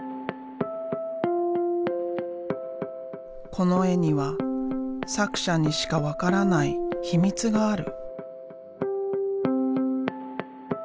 この絵には作者にしか分からない秘密がある。